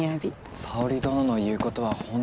沙織殿の言うことは本当だな。